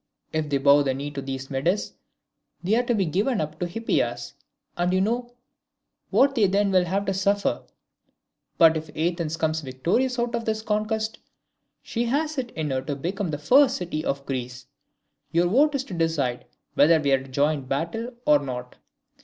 If they bow the knee to these Medes, they are to be given up to Hippias, and you know what they then will have to suffer. But if Athens comes victorious out of this contest, she has it in her to become the first city of Greece. Your vote is to decide whether we are to join battle or not.